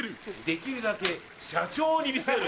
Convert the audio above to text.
できるだけ社長に見せる。